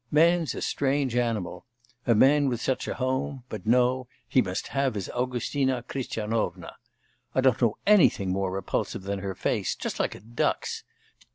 Man's a strange animal. A man with such a home; but no, he must have his Augustina Christianovna! I don't know anything more repulsive than her face, just like a duck's!